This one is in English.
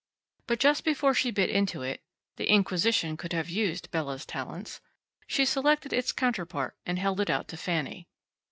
But just before she bit into it (the Inquisition could have used Bella's talents) she selected its counterpart and held it out to Fanny.